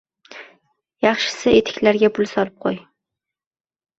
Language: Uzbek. Yaxshisi, etiklarga pul solib qoʻy